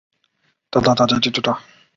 会不会有夜景